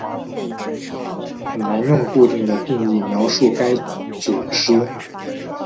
很难用固定的定义描述该组织。